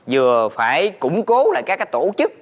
vừa phải củng cố lại các tổ chức